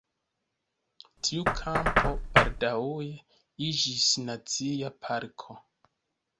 Tiu kampo baldaŭe iĝis Nacia parko.